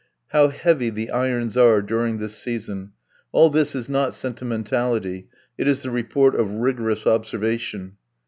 How heavy the irons are during this season! All this is not sentimentality, it is the report of rigorous observation.